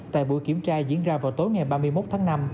tại buổi kiểm tra diễn ra vào tối ngày ba mươi một tháng năm